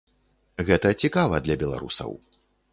Гэта цікава для беларусаў.